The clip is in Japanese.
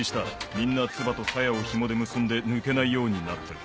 みんな鍔と鞘をヒモで結んで抜けないようになってる。